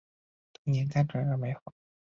童年单纯而美好